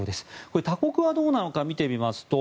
これは他国はどうなのか見てみますと